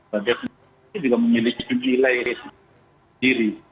bagaimana juga memiliki nilai diri